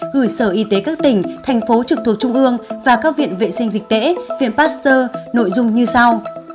gửi sở y tế các tỉnh thành phố trực thuộc trung ương và các viện vệ sinh dịch tễ viện pasteur nội dung như sau